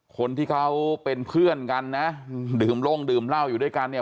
คนที่เขาเป็นเพื่อนกันนะดื่มลงดื่มเหล้าอยู่ด้วยกันเนี่ย